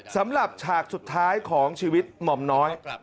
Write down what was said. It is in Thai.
ฉากสุดท้ายของชีวิตหม่อมน้อย